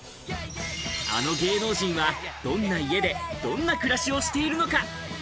あの芸能人はどんな家でどんな暮らしをしているのか？